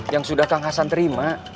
yang sudah kang hasan terima